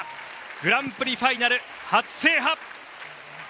グランプリファイナル初制覇！